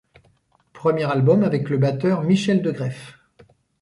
Premier album avec le batteur Michel De Greef.